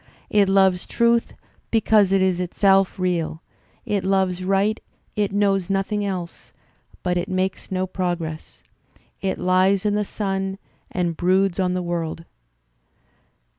It loves truth because it is itself real; it loves right, it knows nothing else; but it makes no progress ... it Ues in the sun and broods on the world."